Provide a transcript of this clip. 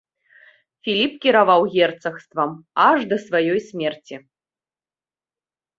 Філіп кіраваў герцагствам аж да сваёй смерці.